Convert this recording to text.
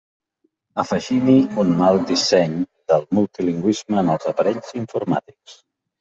Afegim-hi un mal disseny del multilingüisme en els aparells informàtics.